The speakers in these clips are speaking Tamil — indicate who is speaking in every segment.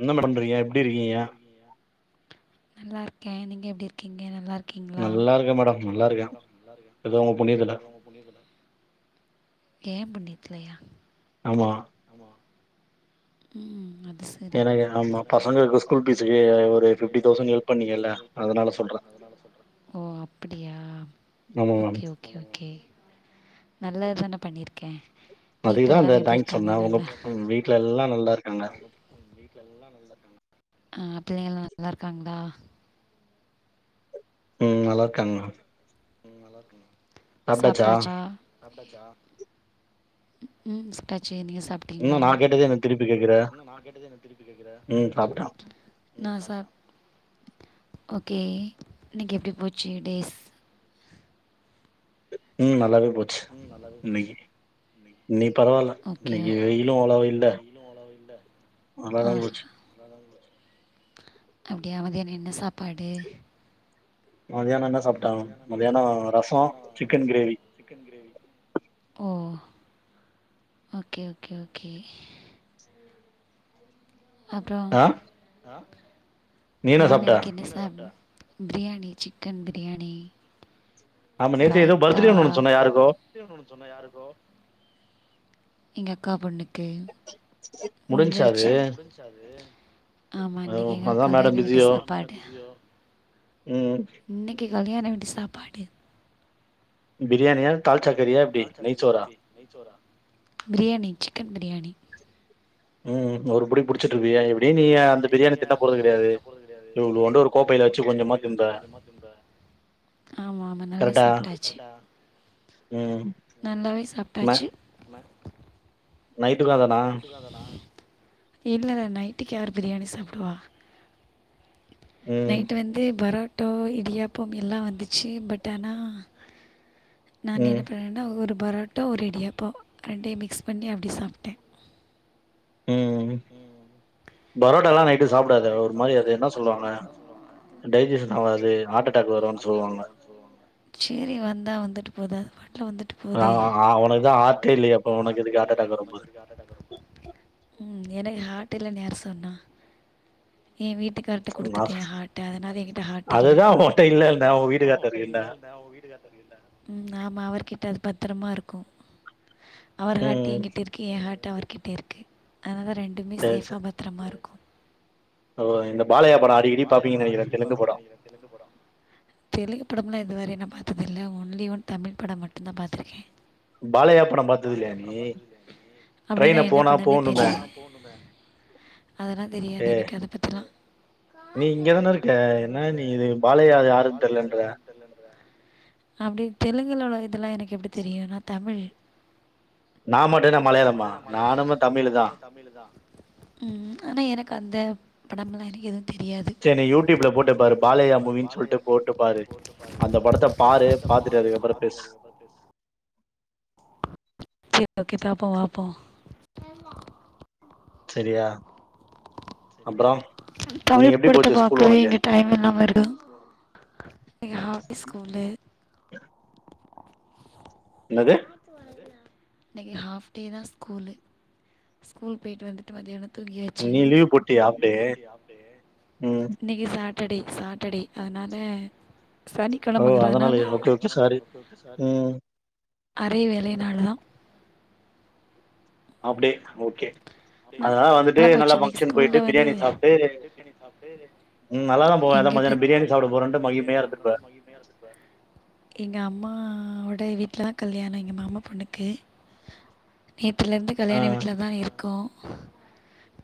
Speaker 1: என்ன மேடம் பண்றீங்க எப்டி இருக்கீங்க
Speaker 2: நல்லா இருக்கே நீங்க எப்டி இருக்கீங்க நல்லா இருக்
Speaker 1: நல்லா இருக்கே மேடம் நல்லா இருக்கே எதோ உங்க புண்ணியத்துல
Speaker 2: ஏ புண்ணியத்துலயா
Speaker 1: ஆமா
Speaker 2: ம் ம செரி ஓ அப்டியா ஓகே ஓகே ஓகே நல்லதுதான பண்ணிருக்கே
Speaker 1: அதுக்குதா அந்த தேங்க்ஸ் சொன்னே உங்க வீட்ல எல்லா நல்லாருக்
Speaker 2: ஆ புள்ளைங்கெல்லா நல்லா இருக்காங்களா
Speaker 1: ம் ம் நல்லா இருக்காங்க மேடம்
Speaker 2: சாப்ட்டாச்சா ம் சாப்ட்டாச்சு
Speaker 1: என்னா நா கேட்டதே எனக்கு திருப்
Speaker 2: நா சாப் ஓகே இன்னைக்கி எப்டி போச்சு டேஸ்
Speaker 1: ம் நல்லாருக்
Speaker 2: ம் நல்லாவே போச்சு
Speaker 1: இன்னைக்கி பரவால்ல இன்னைக்கி வெயிலு அவ்ளோவா இல்ல நல்லதா போச்சு
Speaker 2: அப்டியா மத்தியானோ என்ன சாப்பாடு
Speaker 1: மதியானோ என்ன சாப்
Speaker 2: ஓ ஓகே ஓகே ஓகே அப்றோ நான் இன்னைக்கி என்ன சாப் பிரியாணி சிக்கன் பிரியாணி ரைத்தா எங் அக்கா பொண்ணுக்கு முடிஞ்சாச்சு ஆமா இன்னைக்கி எங்களுக்கு கல்யாண வீட்டு சாப்பாடு
Speaker 1: ம்
Speaker 2: இன்னைக்கு கல்யாணோ வீட்டு சாப்பாடு பிரியாணி சிக்கன் பிரியாணி
Speaker 1: ம் ஒரு புடி புடிச்சிட்டு இருப்பியே எப்டியு நீ அந்த பிரியாணி தின்ன போறது கெடையாது இவ்ளூண்டு ஒரு கோப்பைல வச்சு
Speaker 2: ஆமா ஆமா நல்லா சாப்ட்டாச்சு நல்லாவே சாப்ட்டாச்சி நைட்டுக்கு அதானா இல்லல்ல நைட்டுக்கு யார் பிரியாணி சாப்டுவா நைட்டு வந்து பரோட் ட்டோ இடியாப்பம் எல்லா வந்துச்சு பட் ஆனா நான் என்ன பண்ணேன்டா ஒரு பரோட்டா ஒரு இடியாப்போ ரெண்டையு மிக்ஸ் பண்ணி அப்டி சாப்ட்டே
Speaker 1: ம் பரோட்டாலா நைட்டு சாப்டாத ஒரு மாரி அது என்ன சொல்லுவாங்க டைஜிஷன் ஆகாது ஹார்ட் அட்டாக் வரு
Speaker 2: சேரி வந்தா வந்துட்டு போது அது பாட்ல வந்துட்
Speaker 1: ஆ ஆ உனக்குதா ஹார்ட்டே இல்லையே அப்ப உனக்கு எதுக்கு ஹாட் அட்டாக் வற போது
Speaker 2: ம் எனக்கு ஹார்ட் இல்லனு யாரு சொன்னா ஏ வீட்டுக்கார்ட்ட குடுத்துட்டே ஏ ஹார்ட்ட அதனால ஏ கிட்ட ஹார்ட் இல்ல ம் ஆமா அவர்கிட்டப் பத் திரமா இருக்கு அவர் ஹார்ட் என்கிட்ட இருக்கு என் ஹார்ட் அவர்கிட்ட இருக்கு அதனா ரெண்டுமே சேஃப்பா பத்திரமா இருக்கு
Speaker 1: ஓ எங்க
Speaker 2: ஓ இந்த பாலயா பட அடிக்கடி பாப்பிங்க நெனைக்கற தெலுங்கு படோ படமெல்லா இது வரையு நா பாத்ததில்ல ஒன்லி ஒன் தமிழ் படம் மட்டும்தா பாத்துருக்கே
Speaker 1: பாலைய்யா
Speaker 2: அப்டின்னா என்ன படம்னு தெர்லயே அதெல்லா தெரியாது எனக்கு அத பத்திலா
Speaker 1: நீ இங்கதானே இருக்க என்ன நீ இது பாலையா யாருன்னு தெர்லன்ற
Speaker 2: அப்டி தெலுங்குல உள்ள இதெல்லா எனக்கு எப்டி தெரியு நா தமிழ்
Speaker 1: நா
Speaker 2: உம் ஆனா எனக்கு அந்த படமெல்லா எனக்கு எது
Speaker 1: சரி நீ யூடியூப்ல போட்டு பாரு பாலையா மூவின்னு சொல்லிட்டு போட்டு பாரு அந்த படத்த பாரு பாத்துட்டு அதுக்கு அப்புற பேசு
Speaker 2: செர் ஒகே பாப்போ பாப்போ
Speaker 1: செரியா
Speaker 2: தமிழ் படத்த பார்க்கவே இங்க டைம் இல்லாம இருக்கு இன்னிக்கு ஹாப் டே ஸ்கூலு
Speaker 1: ன்னாது
Speaker 2: இன்னைக்கு ஹாஃப் டே தா ஸ்கூலு ஸ்கூல் போயிட்டு வந்துட்டு மதியானோ தூங்கியாச்சு இன்னைக்கு சாட் டர்டே சாட்டர்டே அதனால சனிக்கிழமங்கறதனால அரை வேலை நாளா
Speaker 1: ஹாப்டே ஓகே அதா வந்துட்டு நல்லா ஃபங்க்ஷன் போயிட்டு பிரியாணி சாப்ட்டு ம் நல்லாதா போவே அத மதிய பிரியாணி சாப்ட போரண்ட்டு மகிமையா இருந்துருப்ப
Speaker 2: எங்க அம்மாவோட வீட்லா தா கல்யாண எங்க மாமா பொண்ணுக்கு நேத்துலிருந்து கல்யாண வீட்ல தா இருக்கோ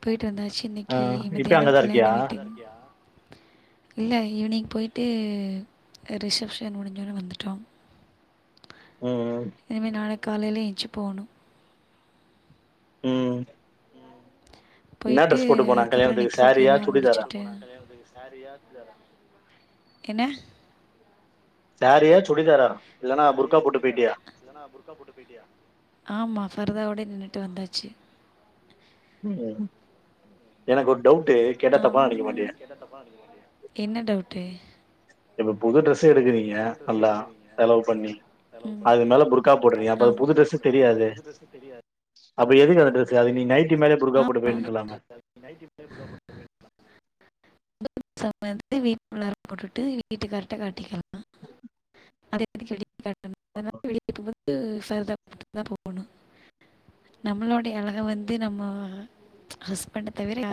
Speaker 2: போய்ட் ட்டு வந்தாச்சு இன்னிக்கு மத்தியான கல்யாண வீட்டு இல்ல ஈவினிங் போயிட்டு ரிசப்ஷன் முடிஞ்சோனே வந்துட்டோ இனிமே நாளக் காலையில எஞ்சு போணு
Speaker 1: ம்
Speaker 2: போயிட்டு அதுக்கப்புற நிக்காவுக்கு எல்லா முடிச்சுட்டு என்ன
Speaker 1: சாரியா சுடிதாரா
Speaker 2: ஆமா ஃபர்தா ஓட நின்னு ட்டு வந்தாச்சு
Speaker 1: எனக் [unintelligible]
Speaker 2: என்ன டவுட்டு
Speaker 1: [unintelligible] புது டிரஸ் [unintelligible] எடுக்றீங்க நல்லா செலவு பண்ணி அது மேல புர்கா போட்றீங்க அப்ப புது டிரஸ்ஸே தெரியாது
Speaker 2: புது டிரஸ்ஸு தெரியாது
Speaker 1: அப்ப எதுக்கு அந்த டிரஸ்ஸு அதுக் நைட்டி மேலயே புருக்கா போட்டு போய்யின்றக்கலாமே
Speaker 2: [unintelligible] வீட்டு உள்ளார போட்டுட்டு வீட்டு கார்ட்ட காட்டிக்கலா அதேக்கு வெளிய காட்டணு அதே வந்து வெளியே [unintelligible] வந்து ஃபர்தா போட்டுதா போணு நம்மளோடைய அழக வந்து நம்ம ஹஸ்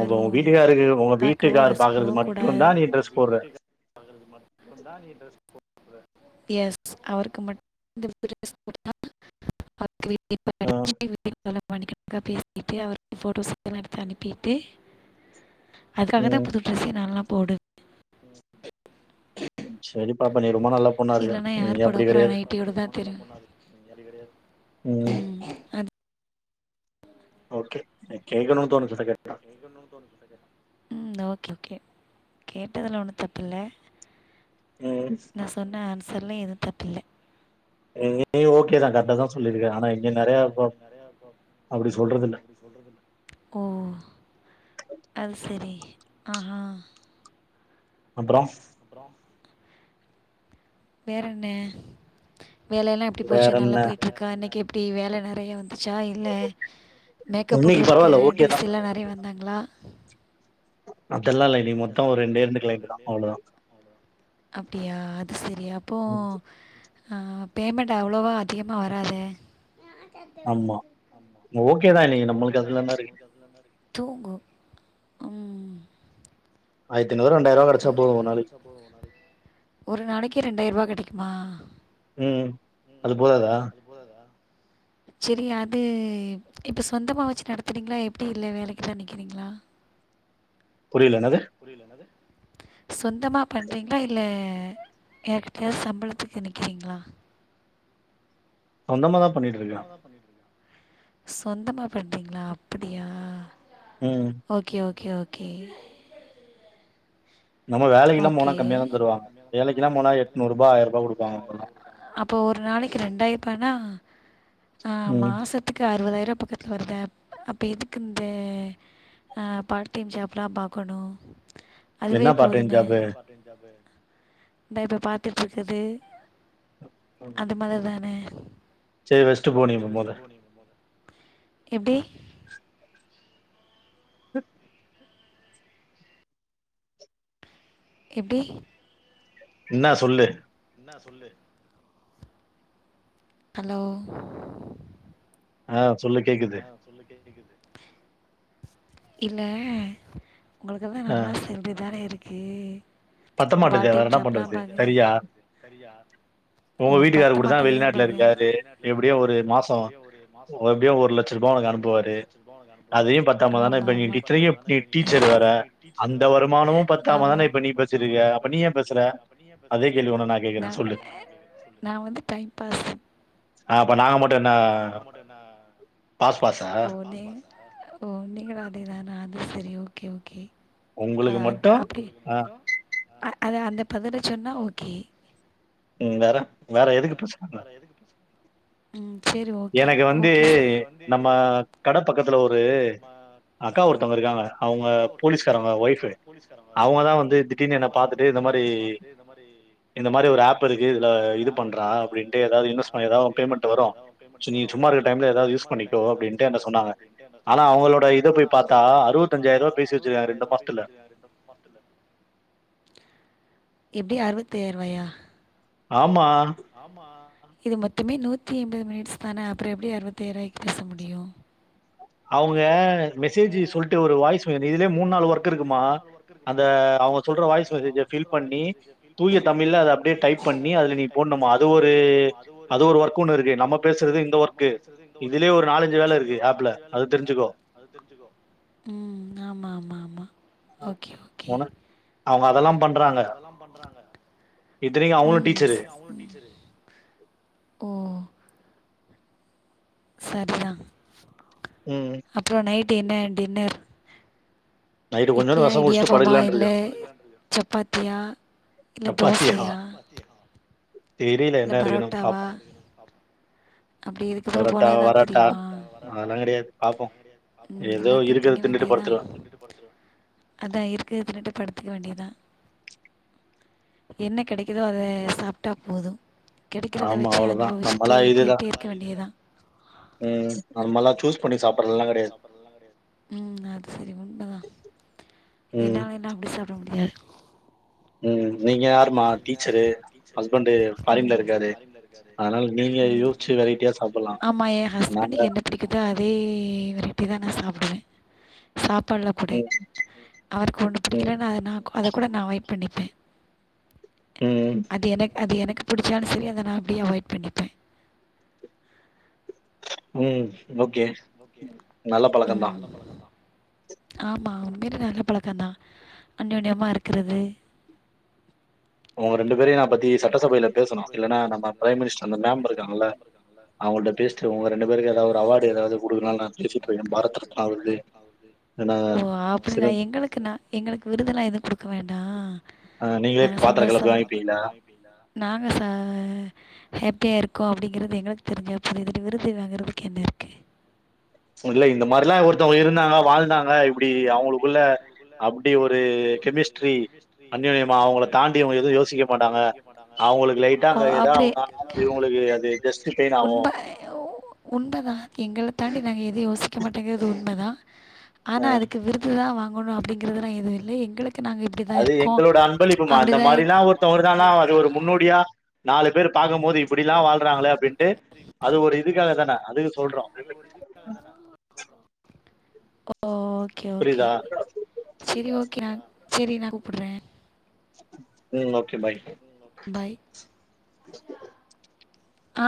Speaker 1: அப் உங்க வீட்டுக்காருக்கு உங்க வீட்டுக்காரு பாக்குறதுக் மட்டு தா நீ ட்ரெஸ் போட்ற
Speaker 2: மட்டுந்தா நீ டிரஸ் போ எஸ் அவருக்கு மட் [unintelligible] [unintelligible] [unintelligible] மணிக்கணக்கா பேசிட்டு அவருக் போட்டோஸ் [unintelligible] எடுத்து அனுப்பிட்டு அதுக்காகத்தா புது ட்ரெஸ்ஸே நான்ல்லா போடு
Speaker 1: சரிப்பா அப்ப நீ ரொம்ப நல்லா பொண்ணா இருக்க இங்க அப்படி கடையாது ம் ஓகே எனக் கேக்கணு தோணுச்சு [unintelligible]
Speaker 2: ம் ஓ ஓகே ஓகே கேட்டதலா ஒன்னு தப்பு இல்ல நா சொன்ன ஆன்ஸ் சர்லயு எது தப்பில்ல
Speaker 1: எனக் நீ ஓகே தா கர்ட்
Speaker 2: ஓகே தா கர்ட்டா தா சொல்லிருக்கே ஆனா இங்க நறைய இப் ஓ அது சரி ஆஹா
Speaker 1: அப்றோ
Speaker 2: வேறென்ன வேலை எல்லா எப்டி போச்சு நல்லா போயிட்ருக்கா இன்னிக்கி எப்டி வேல நறைய வந் ச்சா இல்லே மேக்கப் போட்டுறதுக்கு ஆன்ட்டிஸ்லா நறைய வந்தாங்களா
Speaker 1: அஹ
Speaker 2: அப்டியா அது சரி அப்போ ஆ பேமெண்ட் அவ்வளவா அதிகமா வராதே ஆமா ஓகேதான் நீ நம்மளுக்கு அதுல என்ன இருக் தூங்கு ம் ஒரு நாளைக்கு இரண்டாயிரூபா கடைக்குமா
Speaker 1: ம் அது போததா [inaudible]
Speaker 2: செரி அது இப்போ சொந்தமா வெச்சு நடத்துறீங்ளா எப்டி இல்ல வேலைக்கெல்லா நிக்கிறீங்ளா
Speaker 1: புரில இன்னாது
Speaker 2: சொந்தமா பண்றீங்ளா இல்ல யார்கிட்டயாத் சம்பளத்துக்கு நிக்கிறீங்ளா
Speaker 1: [inaudible] சொந்தமா தா பண்ணிட்டு இருக்க
Speaker 2: சொந்தமா பண்றீங்ளா அப்படியா okay okay okay okay அப்போ ஒரு நாளைக்கு ரெண்டாயார்ப்பானா ஆ மாசத்துக்கு அறுபதாய்ரோ பக்கத்ல வருதே அப் அப்ப எதுக்கிந்த அ பார்ட் டைம் ஜாப் லா பாக்கணு
Speaker 1: என்னா பார்ட் டைம்
Speaker 2: த இப்ப பாத்துட்ருக்கது அது மாதிரிதானே
Speaker 1: செரி வெஷ்ட்டு போ நீ மொத
Speaker 2: எப்டி
Speaker 1: உஹ
Speaker 2: எப்டி
Speaker 1: இன்னா சொல்லு
Speaker 2: சொல்லு ஹலோ
Speaker 1: ஆ சொல்லு கேக்குது
Speaker 2: இல்ல உங்களுக்குலா நல்லா சால்ரிதானே இரு க்கு
Speaker 1: பத்தமாட்டுதே வேற இன்னா பண்றது தரியா உங்க வீட்டுக்காரர் கூட தா வெள்நாட்ல இருக்காரு எப்புடியோ ஒரு மாசோ ஒ எப்டியோ ஒரு லட்ச
Speaker 2: ஆமா ஆமா
Speaker 1: வருமானமும் பத்தாம தானே இப்ப நீ பே
Speaker 2: நா நா வந்து டைம் ஃபாஸ்
Speaker 1: ஆ அப்ப நாங்க மட்
Speaker 2: ஆ அப்ப நாங்க மட்டு என்னா ஓ நீ ஓ நீங்களு அதே தானா அது செரி ஓகே ஓகே அ அத் அப்டி அ அத அந்த பதில சொன்னா ஓகே
Speaker 1: ம் வேற வேற எதுக்கு பேசுனன்ற எனக்கு வந்து நம்ம கடை பக்கத்துல ஒரு அக்கா ஒருத்தவங்க இருக்காங்க அவுங்க போலீஸ்காரவங்க ஒய்ஃபு அவுங்கதா வந்து திட்டீனு என்ன பாத்துட்டு
Speaker 2: திடீனு என்ன பாத்துட்டு இந்த மாரி
Speaker 1: இந்த மாரி ஒரு ஆபு இருக்கு இதுல இது பண்றா அப்படின்ட்டு எதாவ்து இன்வெஸ் பண்ணு எதாவ பேமெண்டு வரு நீ சும்மா இருக்க டைம்ல எதாவ்து யூஸ் பண்ணிக்கோ அப்டின்ட்டு என்ன சொன்னாங்க
Speaker 2: சொன்னாங்க ஆனா அவுங்களோட இத போய் பாத்தா அறுவத்தஞ்சாய்ருவா பேசி வெச்சிருக்காங்க ரெண்டு மூன் மாஸ்த்துல
Speaker 1: [inaudible]
Speaker 2: எப்டி அறுவத்தய்யாய்ருவாயா ஆமா இது மொத்துமே நூத்தி ஐம்பது மினிட்ஸ் தானே அப்புற எப்டி அறுவத்தயாய்ருவாக் பேச முடியு
Speaker 1: இந்த மெசேஜு சொல்ட்டு ஒரு வாய்ஸ் இதுல மூண் நாலு ஒர்க்கிருக்குமா அந்த அவங்க சொல்ற வா வாய்ஸ் மெசேஜ ஃபில் பண்ணி தூய தமிழ்ல அத அப்டே டைப் பண்ணி அதுல நீ போட்ணுமா அது ஒரு அது ஒரு ஒர்க் ஒண்ணு இருக்கு நம்ம பேசுறது இந்த ஒர்க்கு இதுலயே ஒரு நாலஞ்சு வேல இருக்கு ஆப்ல அத தெரிஞ்சிக்கோ
Speaker 2: ம் ஆமா ஆமா ஆமா ஓகே ஓகே
Speaker 1: அவங்க அதல்லாம் பண்றாங்க
Speaker 2: ம் ஓ சரிதா அப்பறோ நைட்டு என்ன டின்னர் இட்லியா இடியாப்பமா இல்ல சப்பாத்தியா இல்ல தோசயா இல்ல பரோட்டாவா அப்டி இதுக்குப்பறோ போனாதா தெரியுமா ம் எல்லாத்தையு திங்க வேண்டியதா அதா இருக்குறத படுத்துக்க வேண்டியதா என்ன கெடைக்குதோ அத சாப்ட்டா போது கெடைக்கிறத வச்சி அனுபவிச்சிட்டே போயிட்டே இருக்க வேண்டியதுதா
Speaker 1: ம் அ
Speaker 2: ம் நம்பலா சூஸ் பண்ணி சாப்புர சாப்புறதுல்லா கெடையாது ம் அது சரி உண்மதா என்னாலைலா அப்டி சாப்ட முடியாது
Speaker 1: ம் நீங்க யாருமா டீச்சர்ரு ஹஸ்பண்டு ஃபாரின்ல இருக்காரு அதனால நீங்க
Speaker 2: ஆமாஏ ஹஸ்பண்டுக்கு என்ன பிடிக்குதோ அதே வெரட்டி தா நா சாப்புடுவே சாப் பல்ல புட அவருக்கு ஒன்னு பிடிக்கலன்னா அத நா அத கூட நா அவாய்ட் பண்ணிப்பே அது எனக் அது எனக் பிடிச்சாலு சரி அத நா அப்டியே அவாய்ட் பண்ணிப்பே
Speaker 1: ம் ஓகே
Speaker 2: ஒகே ம் நல்ல பழக்கந்தா ஆமா உண்மையிலயே நல்ல பழக்கந்தா அன்னோன்னியமா இருக்கறது
Speaker 1: ஒங்க ரெண்டு பேரயு நாப் பத்தி சட்டசபையில பேசணு இல்லன்னா நம்ம பிரைம் மினிஸ்டர் அந்த மேம் இருக்காங்கல்ல அவங்கள்ட்ட பேசிட்டு ஒங்க ரெண்டு பே ருக்கு எதாவது ஒரு அவார்டு ஏதாவது குடுக்க நா பேசிட்டுருகே பாரத் ரத்னா வருது
Speaker 2: ஓ அப்படியா எங்களுக்கு ந எங்களுக்கு விருதெல்லா எதுவு குடுக்க வேண்டா
Speaker 1: ஆ நீங்களே பாத்தற கடையில போய் வாங்கிப்பீங்களா
Speaker 2: நாங்க சா ஹாப்பியாக இருக்கோ அப்டிங்கிறது எங்களுக்கு தெரிஞ்சா போது இதுல விருது வாங்கறதுக்கு என்ன இருக்கு
Speaker 1: இல்ல இந்த மாறில்லா ஒருத்தங்க இருந்தாங்க வாழ்ந்தாங்க இப்டி அவங்களுக்குள்ள அப்டி ஒரு கெமிஸ்ட்
Speaker 2: ஓ அப்டி உண்ம உண்மைதா எங்கள தாண்டி நாங்க எதயு யோசிக்க மாட்டேங்கிறது உண்மைதா ஆனா அதுக்கு விருது தா வாங்க ஒன்னு அப்படிங்கிறதெல்லா எது இல்ல எங்களுக்
Speaker 1: அது எங்களோட அன்பளிப்புமா இந்த மாறில்லா ஒருத்தவ இருந்தான்னா அது ஒரு முன்னோடியா நாலு பேர் பாக்கும்போது இப்டில்லா வாழ்றாங்கள அப்படின்ட்டு அது ஒரு இதுக்காக தான அதுக்கு சொல்றோ ம்
Speaker 2: ஓ ஓகே ஓகே செரி ஓகே ரான் சரி நா கூப்புறே
Speaker 1: ம் ஓகே பாய்
Speaker 2: பாய் ஆ